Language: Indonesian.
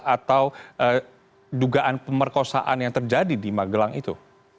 atau dugaan pemerkosaan yang terjadi di magelang itu